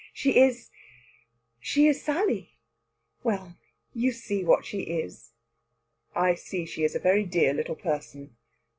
She is she is Sally. Well, you see what she is." "I see she is a very dear little person."